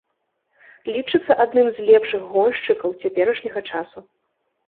Лічыцца адным з лепшых гоншчыкаў цяперашняга часу.